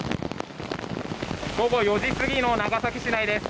午後４時過ぎの長崎市内です。